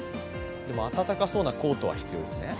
でも、温かそうなコートは必要ですね。